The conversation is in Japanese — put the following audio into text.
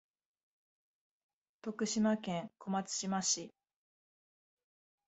徳島県小松島市